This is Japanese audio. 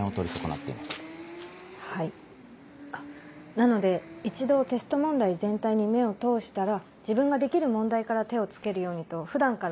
なので一度テスト問題全体に目を通したら自分ができる問題から手をつけるようにと普段から。